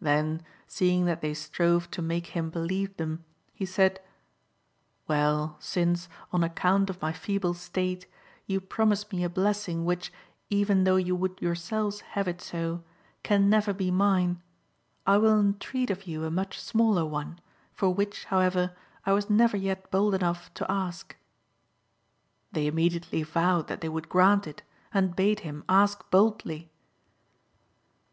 Then, seeing that they strove to make him be lieve them, he said "Well, since, on account of my feeble state, you promise me a blessing which, even though you would yourselves have it so, can never be mine, I will entreat of you a much smaller one, for which, however, I was never yet bold enough to ask." They immediately vowed that they would grant it, and bade him ask boldly.